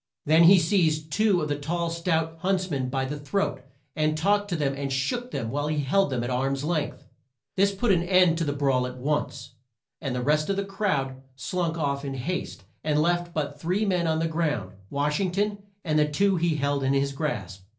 Then he seized two of the tall stout hunts men by the throat, and talked to them and shook them while he held them at arm's length. This put an end to the brawl at once, and the rest of the crowd slunk off in haste, and left but three men on the ground: Wash ing ton, and the two he held in his grasp.